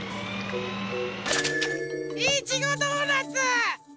いちごドーナツ！